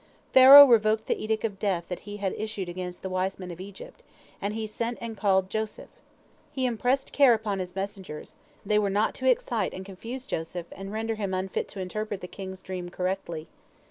Pharaoh revoked the edict of death that he had issued against the wise men of Egypt, and he sent and called Joseph. He impressed care upon his messengers, they were not to excite and confuse Joseph, and render him unfit to interpret the king's dream correctly.